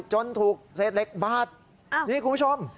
จนถูกเศษเหล็กบาดนี่คุณผู้ชม